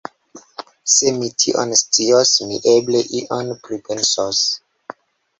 Se mi tion scios, mi eble ion pripensos.